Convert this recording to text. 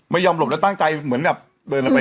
ไม่ยอมหลบแล้วตั้งใจเหมือนเดินไป